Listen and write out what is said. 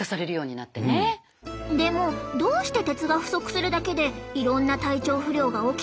でもどうして鉄が不足するだけでいろんな体調不良が起きちゃうんだと思う？